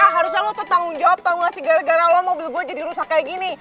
ah harusnya lu tuh tanggung jawab tau gak sih gara gara lu mobil gua jadi rusak kayak gini